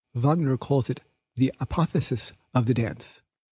Wagner calls it the Apotheosis of the dance.